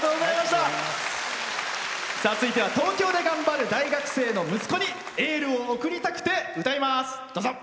続いては東京で頑張る大学生の息子にエールを送りたくて歌います。